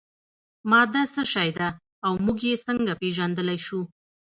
ماده څه شی ده او موږ یې څنګه پیژندلی شو